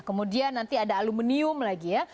kemudian nanti ada aluminium lagi ya